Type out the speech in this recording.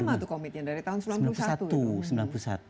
sudah lama itu komitnya dari tahun seribu sembilan ratus sembilan puluh satu